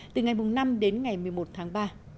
từ ngày năm đến ngày một mươi một tháng ba